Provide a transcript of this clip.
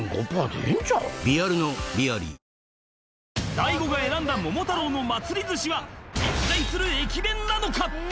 大悟が選んだ桃太郎の祭ずしは実在する駅弁なのか？